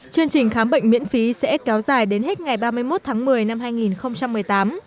chương trình khám bệnh miễn phí sẽ kéo dài đến hết ngày ba mươi một tháng một mươi năm hai nghìn một mươi tám